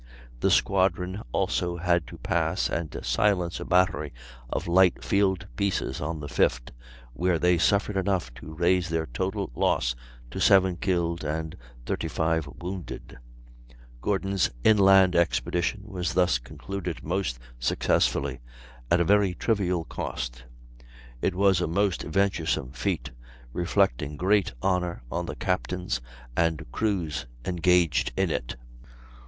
The squadron also had to pass and silence a battery of light field pieces on the 5th, where they suffered enough to raise their total loss to seven killed and thirty five wounded. Gordon's inland expedition was thus concluded most successfully, at a very trivial cost; it was a most venturesome feat, reflecting great honor on the captains and crews engaged in it.